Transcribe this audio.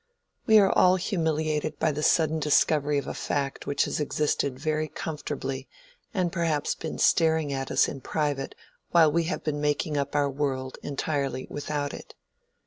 We are all humiliated by the sudden discovery of a fact which has existed very comfortably and perhaps been staring at us in private while we have been making up our world entirely without it.